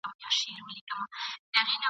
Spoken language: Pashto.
توتکۍ ورته په سرو سترګو ژړله ..